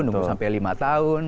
nunggu sampai lima tahun